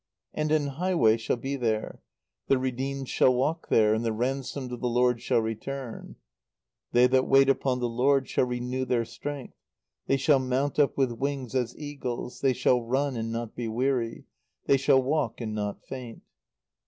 "And an highway shall be there ... the redeemed shall walk there, and the ransomed of the Lord shall return" ...... "They that wait upon the Lord shall renew their strength; they shall mount up with wings as eagles; they shall run and not be weary; they shall walk and not faint."